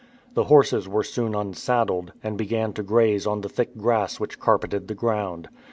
The horses were soon unsaddled, and began to graze on the thick grass which carpeted the ground.